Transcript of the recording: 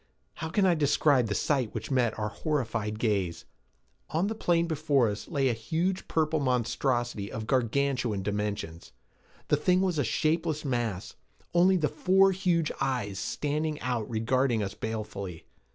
How can I describe the sight which met our horrified gaze? On the plain before us lay a huge purple monstrosity of gargantuan dimensions. The thing was a shapeless mass, only the four huge eyes standing out regarding us balefully.